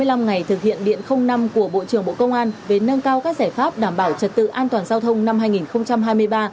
trong ngày thực hiện điện năm của bộ trưởng bộ công an về nâng cao các giải pháp đảm bảo trật tự an toàn giao thông năm hai nghìn hai mươi ba